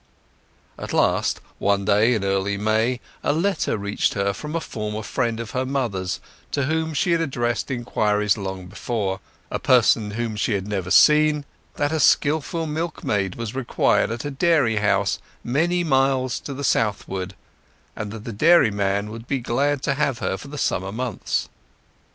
At last, one day in early May, a letter reached her from a former friend of her mother's, to whom she had addressed inquiries long before—a person whom she had never seen—that a skilful milkmaid was required at a dairy house many miles to the southward, and that the dairyman would be glad to have her for the summer months.